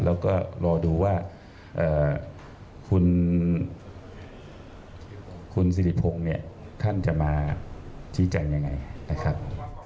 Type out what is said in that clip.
แล้วก็รอดูว่าคุณสิริพงศ์เนี่ยท่านจะมาชี้แจงยังไงนะครับ